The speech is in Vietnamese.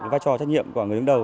vá trò trách nhiệm của người đứng đầu